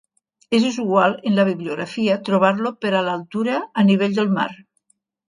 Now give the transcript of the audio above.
És usual en la bibliografia trobar-lo per a l'altura a nivell del mar.